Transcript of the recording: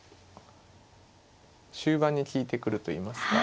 終盤に利いてくるといいますか。